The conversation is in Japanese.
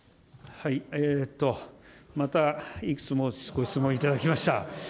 またいくつもご質問いただきました。